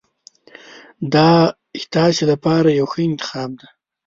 دا ستاسو لپاره یو ښه انتخاب دی.